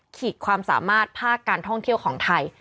ขีดความสามารถภาคการท่องเที่ยวของไทย